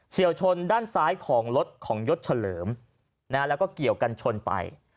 วชนด้านซ้ายของรถของยศเฉลิมแล้วก็เกี่ยวกันชนไป